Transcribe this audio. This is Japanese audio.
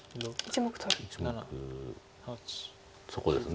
そこです。